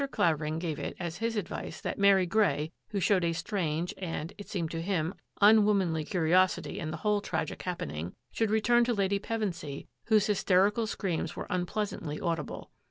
Clavering gave it as his advice that Mary Grey, who showed a strange and, it seemed to him, unwomanly curi osity in the whole tragic happening, should return to Lady Pevensy, whose hysterical screams were unpleasantly audible.